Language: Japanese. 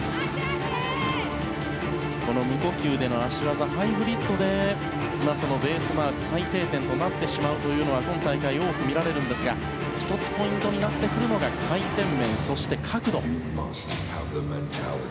無呼吸での脚技ハイブリッドで、ベースマーク最低点となってしまうというのは今大会多く見られるんですが１つポイントになってくるのが回転面そして角度。